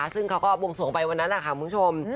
ซึ่งเขาก็บวงสวงไปวันนั้นแหละค่ะคุณผู้ชม